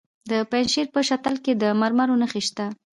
د پنجشیر په شتل کې د مرمرو نښې شته.